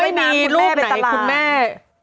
ไม่มีรูปไหนละคุณแม่